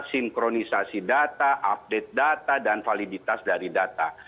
sinkronisasi data update data dan validitas dari data